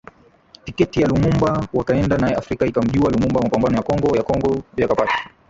tiketi ya Lumumba Wakaenda naye Afrika ikamjua Lumumba Mapambano ya Kongo ya Kongo yakapata